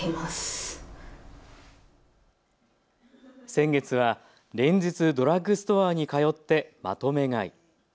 先月は連日、ドラッグストアに通ってまとめ買い。